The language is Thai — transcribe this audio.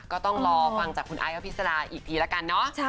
ก็ต้องรอฟังจากคุณไอ้อภิษฎาอีกทีละกันเนาะ